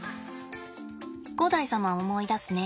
五代様を思い出すね。